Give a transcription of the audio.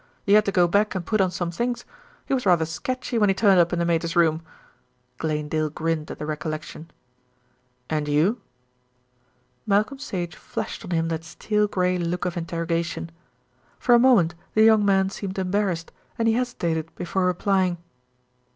He had to go back and put on some things; he was rather sketchy when he turned up in the Mater's room." Glanedale grinned at the recollection. "And you?" Malcolm Sage flashed on him that steel grey look of interrogation. For a moment the young man seemed embarrassed, and he hesitated before replying.